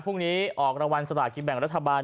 พรุ่งนี้ออกรวรรณสถาดกิจแบ่งรัฐบาล